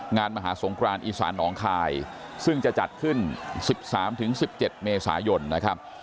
งานมหาสงครานอีสานหนองคายซึ่งจะจัดขึ้น๑๓๑๗เมษายนนะครับ